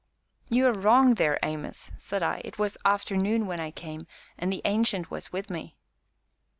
"You are wrong there, Amos," said I, "it was afternoon when I came, and the Ancient was with me."